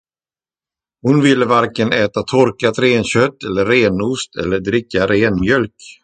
Hon ville varken äta torkat renkött eller renost eller dricka renmjök.